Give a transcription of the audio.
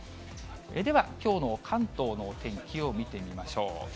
ではきょうの関東のお天気を見てみましょう。